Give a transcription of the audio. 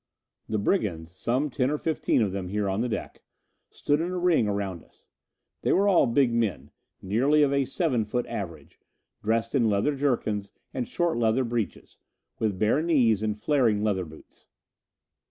The brigands some ten or fifteen of them here on the deck stood in a ring around us. They were all big men, nearly of a seven foot average, dressed in leather jerkins and short leather breeches, with bare knees and flaring leatherboots.